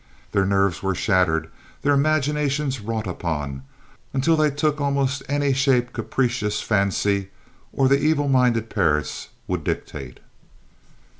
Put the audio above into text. Their nerves were shattered, their imaginations wrought upon, until they took almost any shape capricious fancy or the evil minded Parris would dictate.